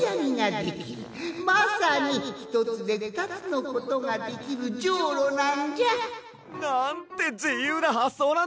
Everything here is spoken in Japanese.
まさにひとつでふたつのことができるじょうろなんじゃ」。なんてじゆうなはっそうなんだ！